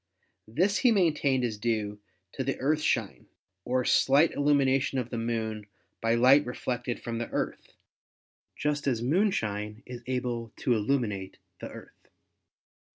This he maintained is due to the earthshine or slight illumination of the Moon by light reflected from the Earth, just as moonshine is able to illuminate the Earth.